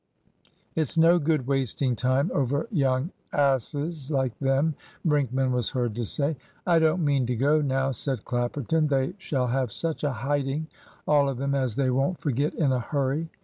"It's no good wasting time over young asses like them," Brinkman was heard to say. "I don't mean to go now," said Clapperton. "They shall have such a hiding, all of them, as they won't forget in a hurry."